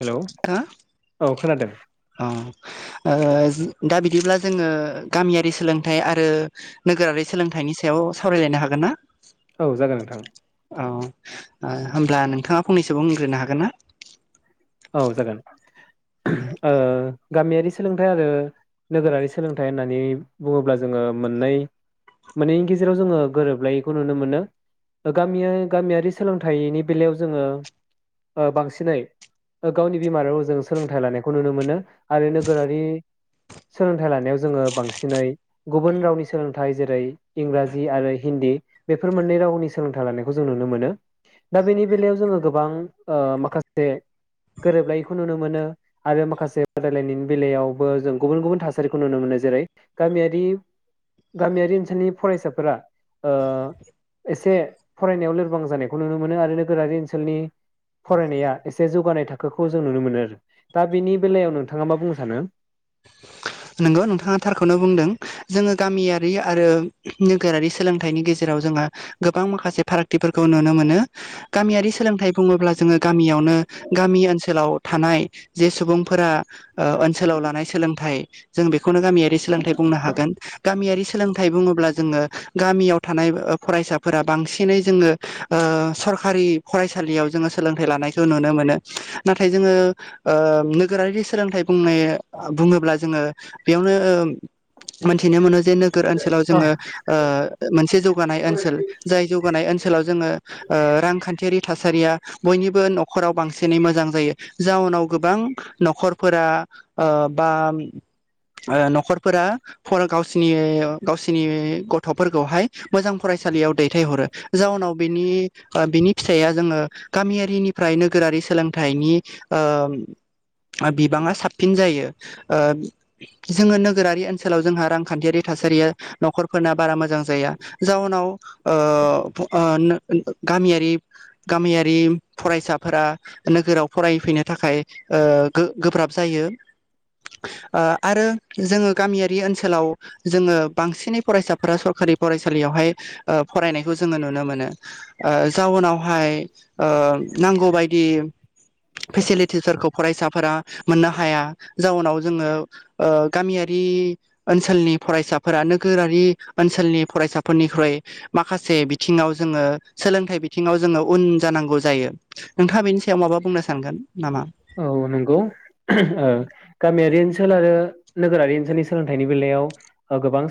Hello हो औ खोनादों? औ दा बिदिब्ला जोङो गामियारि सोलोंथाइ आरो नोगोरारि सोलोंथाइनि सायाव सावरायलायनो हागोन ना? औ जागोन नोंथां। औ ओ होमब्ला नोंथाङा फंनैसो बुंग्रोनो हागोन ना? औ जागोन। ओ गामियारि सोलोंथाइ आरो नोगोरारि सोलोंथाइ होननानै बुङोब्ला जोङो मोननै मोनैनि गेजेराव जोङो गोरोबलायैखौ नुनो मोनो। गामि गामियारि सोलोंथाइनि बेलायाव जोङो बांसिनै ओ गावनि बिमा राव जों सोलोंथाइ लानायखौ नुनो मोनो आरो नोगोरारि सोलोंथाइ लानायाव जोङो बांसिनै गुबुन रावनि सोलोंथाइ जेरै इंराजि आरो हिन्दी बेफोर मोननै रावनि सोलोंथाइ लानायखौ जों नुनो मोनो दा बेनि बेलायाव जोङो गोबां ओ माखासे गोरोबलायैखौ नुनो मोनो आरो माखासे बादायलायनायनि बेलायावबो जों गुबुन गुबुन थासारिखौ नुनो मोनो जेरै गामियारि गामियारि ओनसोलनि फरायसाफोरा ओ एसे फरायनायाव लोरबां जानायखौ नुनो मोनो आरो नोगोरारि ओनसोलनि फरायनाया एसे जौगानाय थाखाय थाखोखौ जों नुनो मोनो आरो दा बेनि बेलायाव नोंथाङा मा बुंनो सानो? नंगौ नोंथाङा थारखौनो बुंदों जोङो गामियारि आरो नोगोरारि सोलोंथाइनि गेजेराव जोंहा गोबां माखासे फारागथिफोरखौ नुनो मोनो। गामियारि सोलोंथाइ बुङोब्ला जोङो गामियावनो गामि ओनसोलाव थानाय जे सुबुंफोरा ओ ओनसोलाव लानाय सोलोंथाइ जों बेखौनो गामियारि सोलोंथाइ बुंनो हागोन गामियारि सोलोंथाइ बुङोब्ला जोङो गामियाव थानाय फरायसाफोरा बांसिनै जोङो ओह सरखारि फरायसालियाव जोङो सोलोंथाइ लानायखौ नुनो मोनो नाथाय जोङो ओह नोगोरारि सोलोंथाइ बुंनाय बुङोब्ला जोङो। बेयावनो ओह मोनथिनो मोनो जे नोगोर ओनसोलाव जोङो ओह मोनसे जौगानाय ओनसोल जाय जौगानाय ओनसोलाव जोङो ओह रांखान्थियारि थासारिया बयनिबो न'खराव बांसिनै मोजां जायो जाउनाव गोबां न'खरफोरा ओह बा ओह न'खरफोरा गावसिनि गावसिनि गथ'फोरखौहाय मोजां फरायसालियाव दैथायहरो जाउनाव बिनि ओ बिनि फिसाया जोङो गामियारिनिफ्राय नोगोरारि सोलोंथाइनि ओह बिबाङा साबसिन जायो। जोङो नोगोरारि ओनसोलाव जोंहा रांखान्थियारि थासारिया न'खरफोरना बारा मोजां जाया जााहनाव ओह ओ गामियारि गामियारि फरायसाफोरा नोगोराव फरायफैनो थाखाय ओह गोब्राब जायो आरो जोङो गामियारि ओनसोलाव जोङो बांसिनै फरायसाफोरा सरखारि फरायसालियावहाय ओ फरायनायखौ जोङो नुनो मोनो जाउनावहाय ओह नांगौ बायदि फेसिलिटिस फोरखौ फरायसाफोरा मोननो हाया जाउनाव जोङो ओह गामियारि ओनसोलनि फरायसाफोरा नोगोरारि ओनसोलनि फरायसाफोरनिख्रुइ माखासे बिथिङाव जोङो सोलोंथाइ बिथिङाव जोङो उन जानांगौ जायो। नोंथाङा बेनि सायाव माबा बुंनो स? सानगोन नामा? औ नंगौ ओह गामियारि ओनसोल आरो नोगोरारि ओनसोलनि सोलोंथाइनि बेलायाव ओ गोबां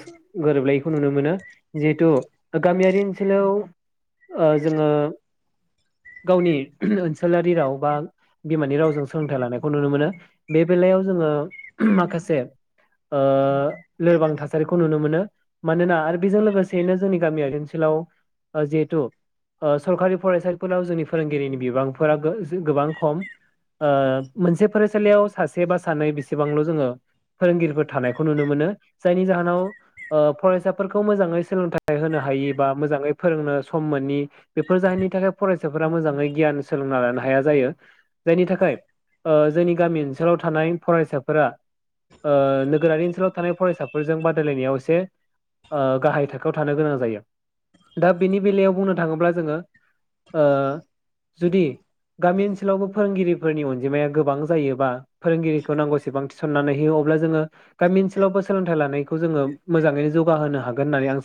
गोरोबलायैखौ नुनो मोनो। जिहेथु गामियारि ओनसोलाव ओह जोङो गावनि ओनसोलारि राव बा बिमानि राव जों सोलोंथाइ लानायखौ नुनो मोनो बे बेलायाव जोङो माखासे ओह लोरबां थासारिखौ नुनो मोनो मानोना आरो बेजों लोगोसेयैनो जोंनि गामियारि ओनसोलाव जिहेथु ओह सरखारि फरायसालिफोराव जोंनि फोरोंगिरिनि बिबांफोरा गोबां खम ओह मोनसे फरायसालियाव सासे बा सानै बिसेबांल' जोङो फोरोंगिरिफोर थानायखौ नुनो मोनो जायनि जाहोनाव ओह फरायसाफोरखौ मोजाङै सोलोंथाइ होनो हायि बा मोजाङै फोरोंनो सम मोननि बेफोर जाहोननि थाखाय फरायसाफोरा मोजाङै गियान सोलोंना लानो हाया जायो जायनि थाखाय ओह जोंनि गामि ओनसोलाव थानाय फरायसाफोरा ओह नोगोरारि ओनसोलाव थानाय फरायसाफोरजों बादायलायनायाव एसे ओह गाहाय थाखोआव थानो गोनां जायो दा बेनि बेलायाव बुंनो थाङोब्ला जोङो ओह जुदि गामि ओनसोलावबो फोरोंगिरि फोरनि अनजिमाया गोबां जायोबा फोरोंगिरिखौ नांगौसेबां थिसननानै होयो अब्ला जोङो गामि ओनसोलावबो सोलोंथाइ लानायखौ जोङो मोजाङैनो जौगाहोनो हागोन होन्नानै आं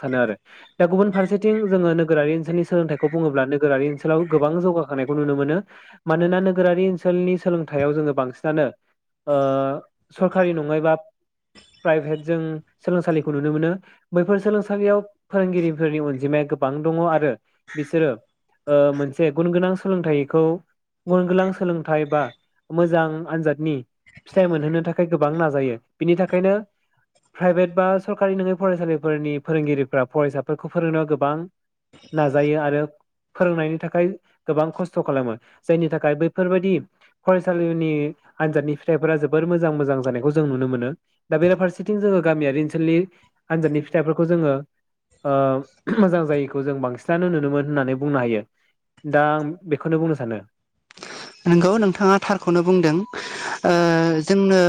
सानो ओनसोलनि सोलोंथाइयाव जोङो बांसिनानो ओह सरकारि नङायबा प्राइभेट जों सोलोंसालिखौ नुनो मोनो बैफोर सोलोंसालियाव फोरोंगिरिफोरनि अनजिमाया गोबां दङ आरो बिसोरो ओह मोनसे गुन गोनां सोलोंथाइखौ गुन गोनां सोलों बा मोजां आनजादनि फिथाइ मोनहोनो थाखाय गोबां नाजायो बिनि थाखायनो प्राइभेट बा सरकारि नङै फरायसालिफोरनि फोरोंगिरिफोरा फरायसाफोरखौ फोरोंनायाव गोबां नाजायो आरो फोरोंनायनि थाखाय गोबां खस्थ' खालामो। जायनि थाखाय बैफोरबायदि फरायसालिनि आनजादनि फिथाइफोरा जोबोर मोजां मोजां जानायखौ जों नुनो मोनो दा बेरफारसेथिं जोङो गामियारि ओनसोलनि आनजादनि फिथाइफोरखौ जोङो मोजां जायैखौ जों बांसिनानो नुनो मोन होननानै बुंनो हायो दा आं बेखौनो बुंनो सानो। नोंगौ नोंथाङा थारखौनो बुंदों। ओह जोंनो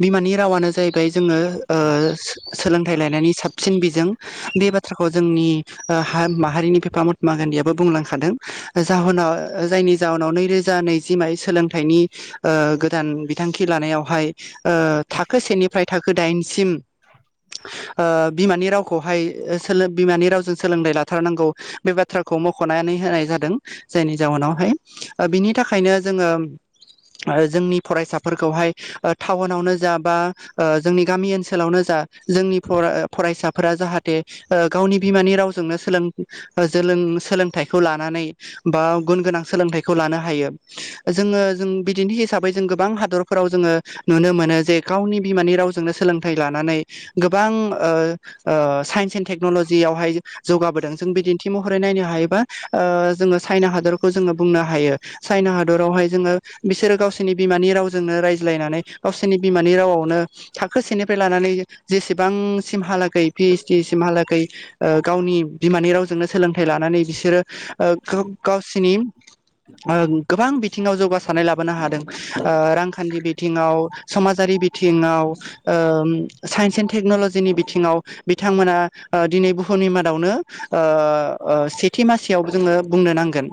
बिमानि रावानो जायैबाय जोंसोलोंथाइ लानायनि साबसिन बिजों बे बाथ्राखौ जोंनि माहारियारि बिफा महात्मा गान्धीयाबो बुंलांखादों। जायनि जाहोनाव नैरोजा म सोलोंथाइनि गोदान बिथांखि लानायावहाय थाखो सेनिफ्राय थाखो दाइनसिम बिमानि रावखौहाय बिमानि रावजों सोलोंथाइ लाथारनांगौ बे बाथ्राखौ मख'नानै होनाय जादों। जायनि जाउनावहाय बिनि थाखाय बओंखायनो जोङो जोंनि फरायसाफोरखौहाय टाउनावनो जा बा जोंनि गामि ओनसोलावनो जा जोंनि फरायसाफोरा जाहाथे गावनि बिमानि रावजोंनो सोलों सोलोंथाइखौ लानानै बा गुन गोनां सोलोंथाइखौ लानो हायो। जोङो जों बिदिनो हिसाबै जों गोबां हादरफोराव जोङो नुनो मोनो जे। गावनि बिमानि रावजोंनो सोलोंथाइ लानानै गोबां ओ ओ साइन्स एणड टेक्नलजियावहाय जौगाबोदों जों बिदिन्थि महरै नायनो हायोबा जोङो ओ चाइना हादरखौ जोङो बुंनो हायो। चाइना हादरावहाय जोङो बिसोरो गावसिनि बिमानि रावजोंनो रायज्लायनानै गावसिनि बिमानि रावावनो थाखोसेनिफ्राय लानानै जेसेबांसिमहालागै पिओइस डि सिमहाालागै ओ गावनि बिमानि रावजोंनो सोलोंथाइ लानानै बिसोरो ओ गावसिनि ओ गोबां बिथिङाव जौगासारनाय लाबोनो हादों रांखान्थि बिथिङाव समाजारि बिथिङाव ओ साइन्स एन टेक्न'लजिनि बिथिङाव बिथांमोना दिनै बुहुमनि मादावनो ओ सेथि मासियाव जोङो बुंनो नांगोन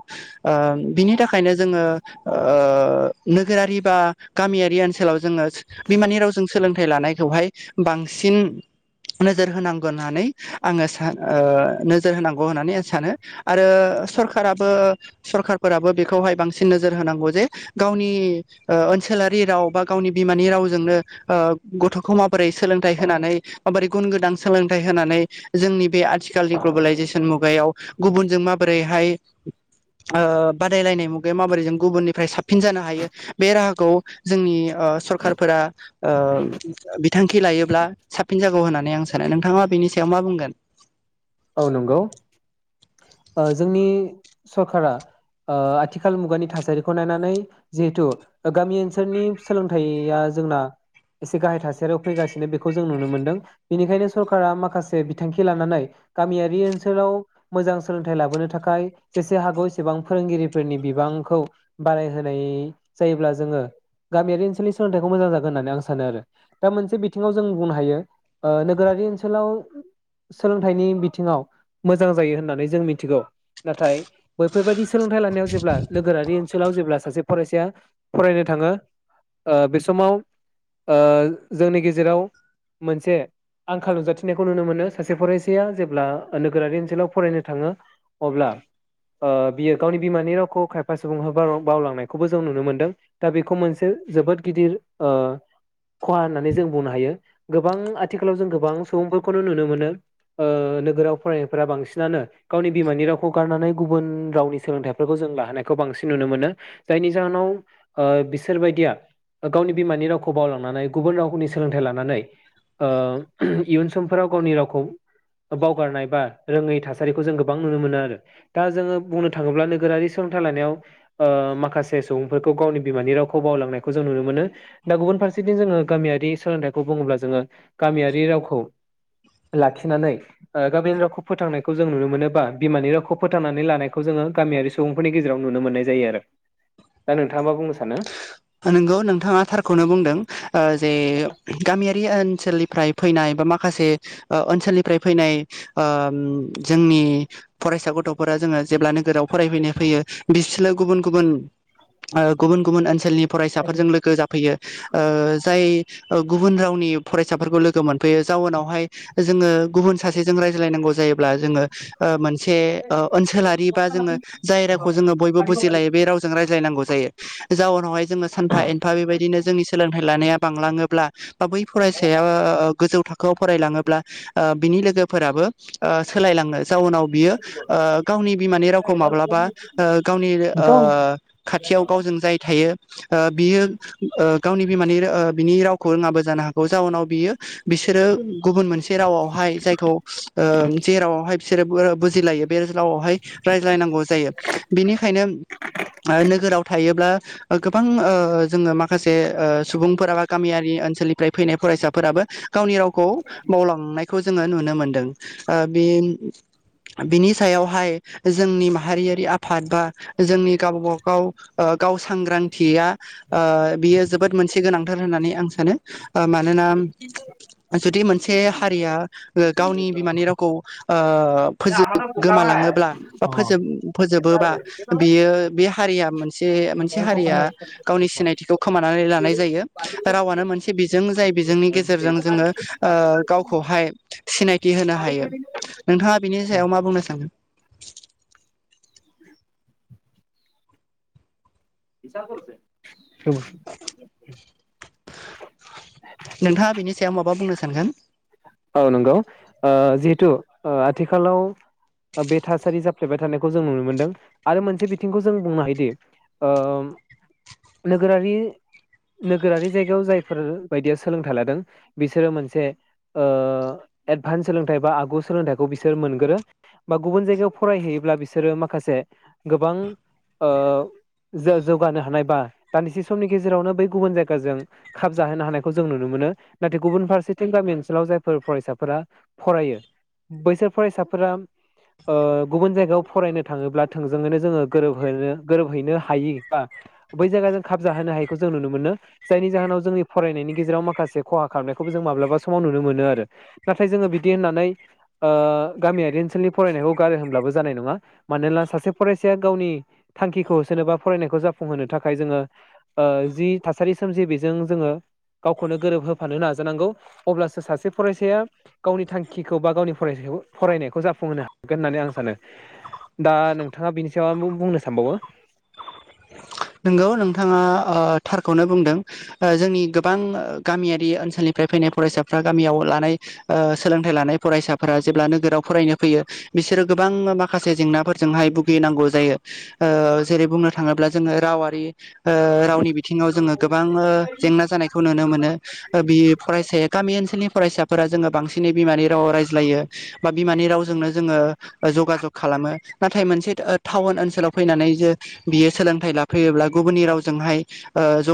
ओ। बिनि थाखायनो जोङो ओ नोगोरारि बा गामियारि ओनसोलाव जोङो बिमानि रावजों सोलोंथाइ लानायखौहाय बांसिन नोजोर होनांगौ होननानै आङो सानो ओ नोजोर होनांगौ होननानै आं सानो आरो सरखाराबो सरखार फोराबो बेखौहाय बांसिन नोजोर होनांगौ जे गावनि ओ ओनसोलारि राव बा गावनि बिमानि रावजोंनो ओ गथ'खौ माबोरै सोलोंथाइ होनानै माबोरै गुन गोनां सोलोंथाइ होनानै जोंनि बे आथिखालनि ग्लबेलाइजेसन मुगायाव गुबुनजों माबोरैहाय ओ बादायलायनाय मुगायाव माबोरै जों गुबुननिफ्राय साबसिन जानो हायो बे राहाखौ जोंनि ओ सरकारफोरा ओ बि बिद बिथांखि लायोब्ला साबसिन जागौ होननानै आं सानो नोंथाङा बेनि सायाव मा बुंगोन? औ नंगौ ओ जोंनि सरकारा आ आथिखाल मुगानि थासारिखौ नायनानै जिहेथु गामि ओनसोलनि सोलोंथाइया जोंना एसे गाहाय थासारियाव फैगासिनो बेखौ जों नुनो मोनदों बेनिखायनो सरकारा माखासे बिथांखि लानानै गामियारि ओनसोलाव मोजां सोलोंथाइ लाबोनो थाखाय जेसे हागौ एसेबां फोरोंगिरिफोरनि बिबांखौ बाराय होनाय जायोब्ला जोङो गामियारि ओनसोलनि सोलोंथाइखौ मोजां जागोन होननानै आं सानो आरो दा मोनसे बिथिङाव जों बुंनो हायो नोगोरारि ओनसोलाव सोलोंथाइनि थिङाव मोजां जायो होननानै जों मिथिगौ नाथाय बैफोरबायदि सोलोंथाइ लानायाव जेब्ला नोगोरारि ओनसोलाव जेब्ला सासे फरायसाया फरायनो थाङो ओ बे समाव ओ जोंनि गेजेराव मोनसे आंखाल नुजाथिनायखौ नुनो मोनो सासे फरायसाया जे ब्ला नोगोरारि ओनसोलाव फरायनो थाङो अब्ला आ बियो गावनि बिमानि रावखौ खायफा सुबुं बावलांनायखौबो जों नुनो मोनदों दा बेखौ मोनसे जोबोद गिदिर खहा होननानै जों बुंनो हायो गोबां आथिखालाव जों गोबां सुबुंफोरखौनो नुनो मोनो नोगोराव फरायनायफोरा बांसिनानो गावनि बिमानि रावखौ गारनानै गुबुन रावनि सोलोंथाइफोरखौ जों लाहोनायखौ बांसिन नुनो मोनो जायनि जाहोनाव बिसोरबायदिया गावनि बिमानि रावखौ बावलांनानै गुबुन रावखौनि सोलोंथाइ लानानै इयुन समफोराव गावनि रावखौ बावगारनाय बा रोङै थासारिखौ जों गोबां नुनो मोनो आरो दा जोङो बुंनो थाङोब्ला नोगोरारि सोलोंथाइ लानायाव आ माखासे सुबुंफोरखौ गावनि बिमानि रावखौ बावलांनायखौ जों नुनो मोनो दा गुबुन फारसेथिं जोङो गामियारि सोलोंथाइखौ बुङोब्ला जोङो गामियारि रावखौ लाखिनानै आ गामिनि रावखौ फोथांनायखौ जों नुनो मोनोबा बिमानि रावखौ फोथांनानै लानायखौ जोङो गामियारि सुबुंफोरनि गेजेराव नुनो मोननाय जायो आरो दा नोंथाङा मा बुंनो सानो नंगौ नोंथाङा थारखौनो बुंदों जे गामियारि ओनसोलनिफ्राय फैनाय बा माखासे ओनसोलनिफ्राय फैनाय ओम जोंनि फरायसा गथ'फोरा जोङो जेब्ला नोगोराव फरायफैनाय फैयो बिसोरो गुबुन गुबुन आ गुबुन गुबुन ओनसोलनि फरायसाफोरजों लोगो जाफैयो ओ जाय गुबुन रावनि फरायसाफोरखौ लोगो मोनफैयो जाउनावहाय जोङो गुबुन सासेजों रायज्लायनांगौ जायोब्ला जोङो ओ मोन से ओ ओनसोलारि बा जोङो जाय रावखौ जोङो बयबो बुजिलायो बे रावजों रायज्लायनांगौ जायो जाउनावहाय जों सानफा एफा बेबायदिनो जों सोलोंनाय सोलोंथाइ लानाया बांलाङोब्ला बा बै फरायसाया गोजौ थाखो खौ फरायलाङोब्ला आ बिनि लोगोफोराबो आ सोलायलाङो जाउनाव बियो आ गावनि बिमानि रावखौ माब्लाबा ओ गावनि ओ खाथियाव गावजों जाय थायो। ओ बियो ओ गावनि बिमानि बिनि रावखौ रोङाबो जानो हागौ जाउनाव बियो बिसोरो गुबुन मोनसे रावावहाय जायखौ ओ जे रावावहाय बिसोरो बुजिलायो। बे रावआव रायज्लायनांगौ जायो बेनिखायनो नोगोराव थायोब्ला गोबां ओ जोङो माखासे ओ सुबुंफोरा बा गामियारि ओनसोलनिफ्राय फैनाय फरायसाफोराबो गावनि रावखौ बावलांनाय खौ जोङ नुनो मोनदों ओ बेन बेनि सायावहाय जोंनि माहारियारि आफाद बा जोंनि गावबा गाव सांग्रांथिया आ बियो जोबोद मोनसे गोनांथार होननानै आं सानो आ मानोनाम जुदि मोनसे से हारिया [unintelligible] ओ गावनि बिमानि रावखौ ओ ओ फोजोब गोमालाङोब्ला बा फोजोब फोजोबोबा बियो बे हारिया मोनसे हारिया गावनि सिनायथिखौ खोमानानै लानाय जायो रावानो मोनसे बिजों जाय बिजोंनि गेजेरजों जोङो ओ गावखौहाय सिनायथि होनो हायो। नोंथाङा बिनि सायाव मा बुंनो सानो? [unintelligible] नोंथाङा बेनि सायाव माबा बुंनो सानगोन? औ नंगौ ओ जिहेथु ओ आथिखालाव बे थासारि जाफ्लेबाय थानायखौ जों नुनो मोनदों आरो मोनसे बिथिंखौ जों बुंनो हायोदि ओम नोगोरारि नोगोरारि जायगायाव जायफोर बायदिया सोलोंथाइ लादों बिसोरो मोनसे ओ एडभान्स सोलोंथाइ बा आगु सोलोंथाइखौ बिसोर मोनगोरो बा गुबुन जायगायाव फरायहैयोब्ला बिसोरो माखासे गोबां ओ जो -जौगानो हानाय बा दान्दिसे समनि गेजेरावनो बै गुबुन जायगाजों खाब जाहोनो हानायखौ जों नुनो मोनो। नाथाय गुबुन फारसेथिं गामि ओन [unintelligible] जायफोर फरायसाफोरा फरायो बैसोर फरायसाफोरा ओ गुबुन जायगायाव फरायनो थाङोब्ला थोंजोङैनो जोङो गोरोबहो गोरोबहैनो हायि बा बै जायगा जों खाब जाहोनो हायैखौ जों नुनो मोनो जायनि जाहोनाव जोंनि फरायनायनि गेजेराव माखासे खहा खालामनायखौ जों माब्लाबा समाव नुनो मोनो आरो नाथाय जोङो बिदि होननानै ओ गामियारि ओनसोलनि फरायनायखौ गारो होमब्लाबो जानाय नङा मानोना सासे फरायसाया गावनि थांखिखौ होसोनो बा फरायनायखौ जाफुंहोनो थाखाय जोङो ओ जि थासारि सोमजियो बेजों जोङो गावखौनो गोरोब होफानो नाजानांगौ। अब्लासो सासे फरायसाया गावनि थांखिखौ बा गावनि फरायसाखौ फरायनायखौ जाफुंहोनो हागोन होननानै आं सानो दा नोंथाङा बिनि सायाव बुं-बुंनो सानबावो नोंगौ नोंथाङा ओ थारखौनो बुंदों ओ जोंनि गोबां गामियारि ओनसोलनिफ्राय फैनाय फरायसाफ्रा गामियाव लानाय ओ सोलोंथाइ लानाय फरायसाफोरा जेब्ला नोगोराव फरायनो फैयो बिसोरो गोबां माखासे जेंनाफोरजोंहाय भुगिनांगौ जायो ओ जेरै बुंनो थाङोब्ला जोङो रावारि ओ रावनि बिथिङाव जोङो गोबांओ जेंना जानायखौ नुनो मोनो। बि फरायसाया गामि ओनसोलनि फरायसाफोरा जोङो बांसिन बिनि बिमानि रावाव रायज्लायो बा बिमानि रावजोंनो जोङो ओ जगा जग खालामो नाथाय मोनसे ओ थाउन ओनसोलाव फैनानै जे बियो सोलों लाफैयोब्ला गुबुननि रावजोंहाय ओ ज'